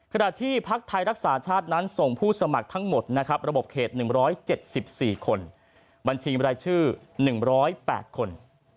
ขณะที่พักไทยรักษาชาตินั้นส่งผู้สมัครทั้งหมดนะครับระบบเขต๑๗๔คนบัญชีบรายชื่อ๑๐๘คน